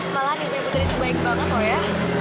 malah minggu minggu tadi tuh baik banget loh ya